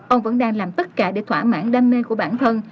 ông vẫn đang làm tất cả để thỏa mãn đam mê của bản thân